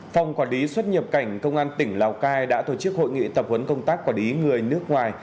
phòng quản lý xuất nhập cảnh công an tỉnh lào cai đã tổ chức hội nghị tập huấn công tác quản lý người nước ngoài